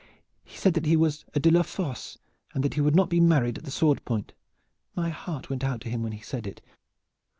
He said that he was a de la Fosse and that he would not be married at the sword point. My heart went out to him when he said it.